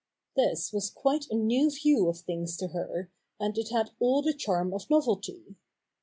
This was quite a new view" of things to her, and it had all the charm of novelty.